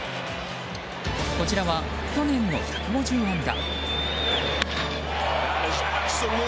こちらは去年の１５０安打。